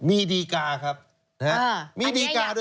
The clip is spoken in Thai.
มีดีการ์ครับมีดีการ์ด้วยครับ